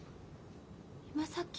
今さっき？